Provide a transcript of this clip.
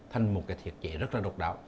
thành một thiệt chế rất độc đạo